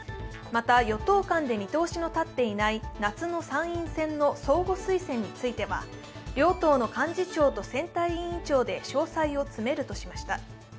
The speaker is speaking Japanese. また、与党間で見通しの立っていない夏の参院選の相互推薦については両党の幹事長と選対委員長で詳細を詰めるとしました。